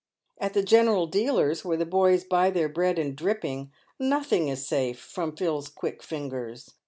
At the general dealer's where the boys buy their bread and dripping, nothing is safe from Phil's quick fingers.